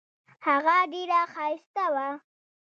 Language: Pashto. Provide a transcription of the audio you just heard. هغه ډیره ښایسته وه.